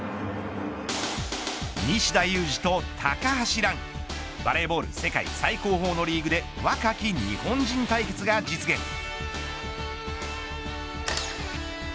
西田有志と高橋藍バレーボール世界最高峰のリーグで若き日本人対決が実現。